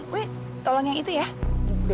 we tolong yang itu ya